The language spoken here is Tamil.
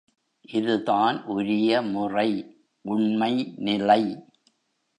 இது தான் உரிய முறை, உண்மை நிலை.